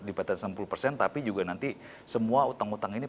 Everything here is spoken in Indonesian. di batas enam puluh persen tapi juga nanti semua utang utang ini